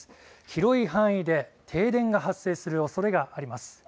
広い範囲で停電が発生するおそれがあります。